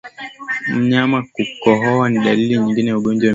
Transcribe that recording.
Mnyama kukohoa ni dalili nyingine ya ugonjwa wa minyoo